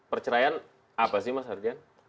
yang pernah ditangani kasus perceraian apa sih mas herdian